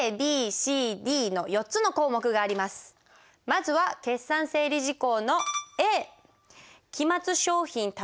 まずは決算整理事項のａ。